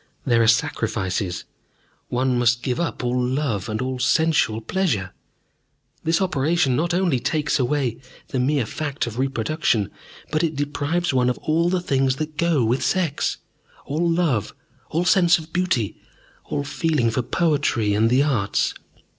There are sacrifices. One must give up love and all sensual pleasure. This operation not only takes away the mere fact of reproduction, but it deprives one of all the things that go with sex, all love, all sense of beauty, all feeling for poetry and the arts.